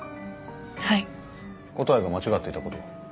はい答えが間違っていたことは？